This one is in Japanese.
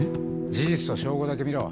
事実と証拠だけ見ろ。